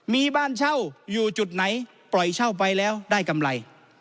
มีบ้านเช่าอยู่จุดไหนปล่อยเช่าไปแล้วได้กำไร